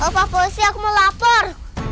pak polisi aku mau lapor